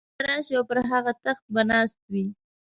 مسیح به راشي او پر هغه تخت به ناست وي.